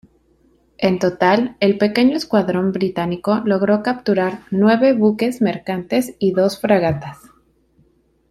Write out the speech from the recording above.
En total, el pequeño escuadrón británico logró capturar nueve buques mercantes y dos fragatas.